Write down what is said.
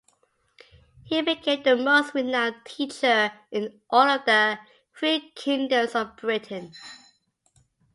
He became the most renowned teacher in all of the three kingdoms of Britain.